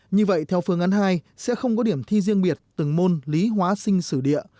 như vậy theo phương án hai sẽ không có điểm thi riêng biệt từng môn lý hóa sinh sử địa